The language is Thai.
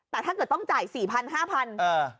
แต่ถ้าเกิดต้องจ่าย๔๐๐๕๐๐บาท